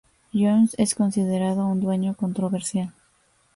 Jones es considerado un dueño controversial.